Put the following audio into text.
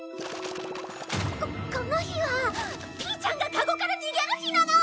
ここの日はピーちゃんが籠から逃げる日なの！